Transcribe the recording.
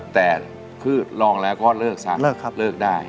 แต่คือลองแล้วก็เลิกซักเลิกได้